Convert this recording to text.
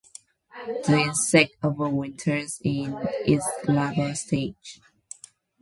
The insect overwinters in its larval stage.